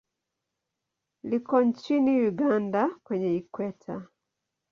Liko nchini Uganda kwenye Ikweta.